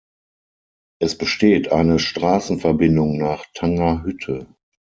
Es besteht eine Straßenverbindung nach Tangerhütte.